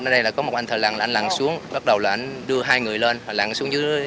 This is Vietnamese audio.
ở đây là có một anh thợ lặng là anh lặng xuống bắt đầu là anh đưa hai người lên lặng xuống dưới nước á